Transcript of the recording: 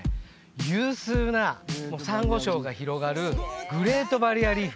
有数なサンゴ礁が広がるグレート・バリア・リーフ